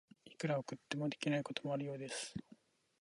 いくら送っても、できないこともあるようです。